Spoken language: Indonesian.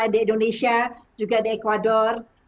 di indonesia juga di ecuador